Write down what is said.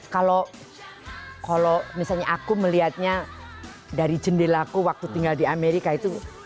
kalau misalnya aku melihatnya dari jendelaku waktu tinggal di amerika itu